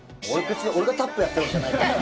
別に、俺がタップやってるわけじゃないから。